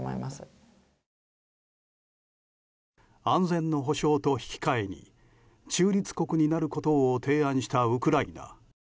安全の保障と引き換えに中立国になることを提案したウクライナ。